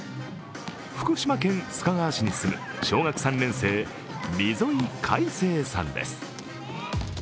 福島県須賀川市に住む小学３年生溝井快晴さんです。